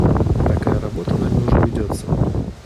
Такая работа нами уже ведется.